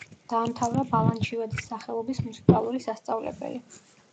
დაამთავრა ბალანჩივაძის სახელობის მუსიკალური სასწავლებელი.